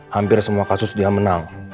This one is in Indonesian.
hampir semua kasus dia menang